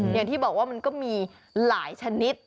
อย่างที่บอกว่ามันก็มีหลายชนิด